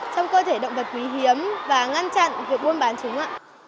trong cơ thể động vật quý hiếm và ngăn chặn việc buôn bán chúng ạ